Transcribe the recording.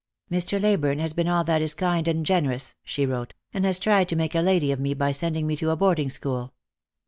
" Mr. Leyburne has been all that is kind and generous," she wrote, " and has tried to make a lady of me by sending me to boarding school.